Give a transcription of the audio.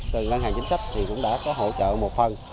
từ ngân hàng chính sách thì cũng đã có hỗ trợ một phần